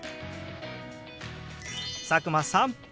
佐久間さん